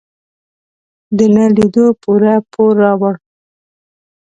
د نه لیدو پوره پور راوړ.